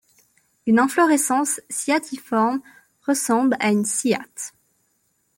Une inflorescence cyathiforme ressemble à une cyathe.